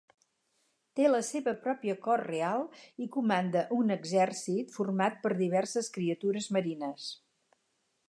Té la seva pròpia cort real i comanda un exèrcit format per diverses criatures marines.